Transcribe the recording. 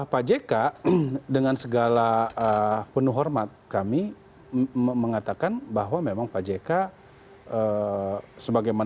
pak jk dengan segala penuh hormat kami mengatakan bahwa memang pak jk sebagaimana yang beliau selalu lakukan itu adalah hal yang sangat penting